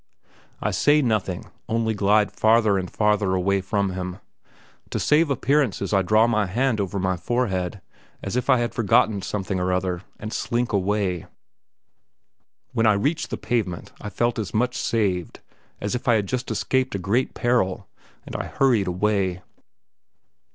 I say nothing, only glide farther and farther away from him. To save appearances I draw my hand over my forehead, as if I had forgotten something or other, and slink away. When I reached the pavement I felt as much saved as if I had just escaped a great peril, and I hurried away.